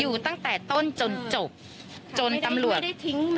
อยู่ตั้งแต่ต้นจนจบจนตำรวจได้ทิ้ง